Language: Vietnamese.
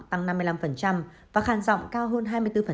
tăng năm mươi năm và khàn rộng cao hơn hai mươi bốn